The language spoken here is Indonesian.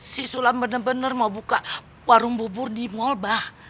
si sulam bener bener mau buka warung bubur di mall mbah